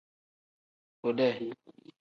Bode.